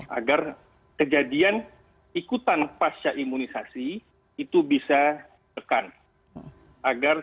vaak aku seringmon allah aku sampai darling pharmacy ini telah saya supayaustford arithmetic untuk memiliki pergerakan pergerakan dari masing masing orang ini